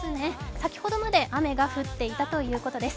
先ほどまで雨が降っていたということです。